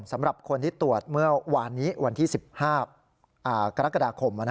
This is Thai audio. สำหรับคนที่ตรวจเมื่อวานนี้วันที่๑๕กรกฎาคม